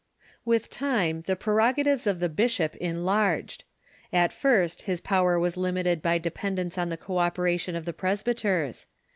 With time the prerogatives of the bishop enlarged. At first his power was limited by dependence on the co operation of the presbyters.